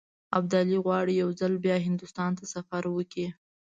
ابدالي غواړي یو ځل بیا هندوستان ته سفر وکړي.